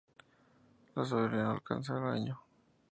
La sobrevida no alcanza al año.